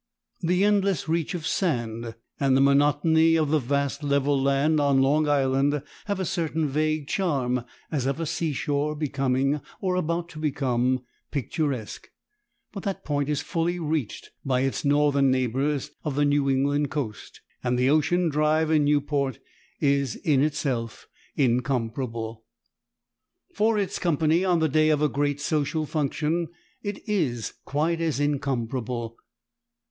The endless reach of sand and the monotony of the vast level land on Long Island have a certain vague charm as of a sea shore becoming or about to become picturesque. But that point is fully reached by its northern neighbors of the New England coast, and the ocean drive in Newport is in itself incomparable. For its company on the day of a great social function it is quite as incomparable.